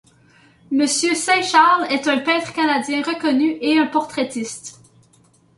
Monsieur Saint-Charles est un peintre canadien reconnu et un portraitiste.